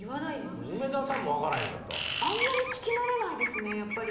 あんまり聞き慣れないですねやっぱり。